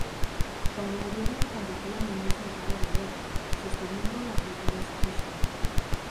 Cuando murieron compartían el mismo carro de guerra, sosteniendo las riendas Isos.